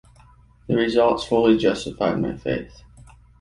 The results fully justified my faith.